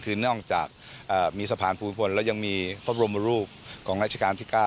คือนอกจากมีสะพานภูมิพลแล้วยังมีพระบรมรูปของราชการที่๙